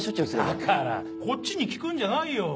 だからこっちに聞くんじゃないよ。